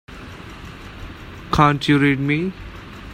Can't you read me?